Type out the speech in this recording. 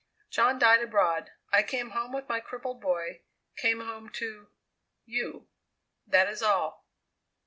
"John died abroad; I came home with my crippled boy; came home to you. That is all!"